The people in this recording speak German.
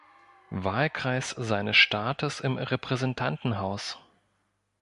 Wahlkreis seines Staates im Repräsentantenhaus.